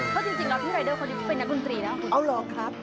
เพราะจริงแล้วพี่รายเดอร์คนนี้เขาเป็นนักดนตรีนะเอาเหรอครับ